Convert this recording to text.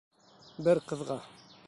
Бер ҡыҙға.